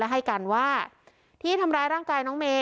ให้กันว่าที่ทำร้ายร่างกายน้องเมย